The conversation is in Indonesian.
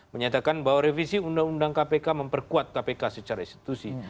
menyatakan bahwa revisi undang undang kpk memperkuat kpk secara institusi